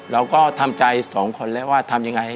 เราก็ทำใจสองคนแล้วว่าทำยังไง